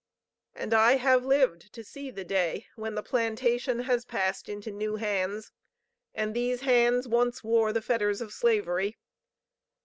And I have lived to see the day when the plantation has passed into new hands, and these hands once wore the fetters of slavery.